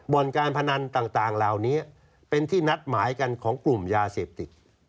การพนันต่างเหล่านี้เป็นที่นัดหมายกันของกลุ่มยาเสพติด